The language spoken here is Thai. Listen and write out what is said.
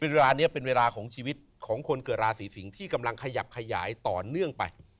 เวลานี้เป็นเวลาของชีวิตของคนเกิดราศีสิงศ์ที่กำลังขยับขยายต่อเนื่องไป